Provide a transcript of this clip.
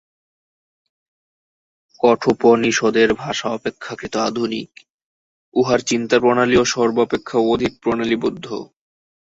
কঠোপনিষদের ভাষা অপেক্ষাকৃত আধুনিক, উহার চিন্তাপ্রণালীও সর্বাপেক্ষা অধিক প্রণালীবদ্ধ।